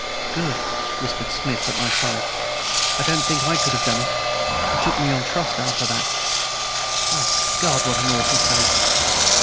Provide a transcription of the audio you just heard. "Good," whispered Smith at my side. "I don't think I could have done it. He took me on trust after that. My God! what an awful face.